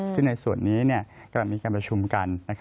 ซึ่งในส่วนนี้กำลังมีการประชุมกัน